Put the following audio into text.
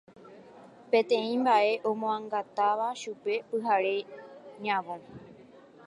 peteĩ mba'e omoangatáva chupe pyhare ñavõ